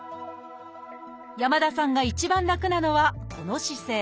山田さんが一番楽なのはこの姿勢。